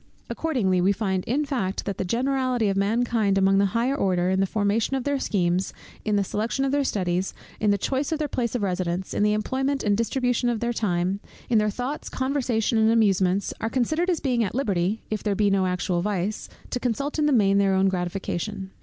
Accordingly we find in fact, that the generality of mankind among the higher order, in the formation of their schemes, in the selection of their studies, in the choice of their place of residence, in the employment and distribution of their time, in their thoughts, conversation, and amusements, are considered as being at liberty, if there be no actual vice, to consult in the main their own gratification.